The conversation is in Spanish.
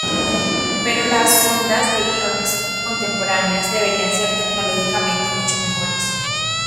Pero las sondas de iones contemporáneas debían ser tecnológicamente mucho mejores.